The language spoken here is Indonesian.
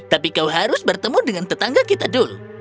tapi kau harus bertemu dengan tetangga kita dulu